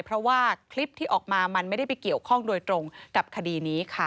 เพราะว่าคลิปที่ออกมามันไม่ได้ไปเกี่ยวข้องโดยตรงกับคดีนี้ค่ะ